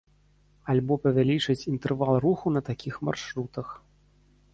Альбо павялічыць інтэрвал руху на такіх маршрутах.